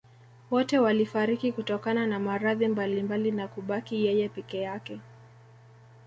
Wote walifariki kutokana na maradhi mbalimbali na kubaki yeye peke yake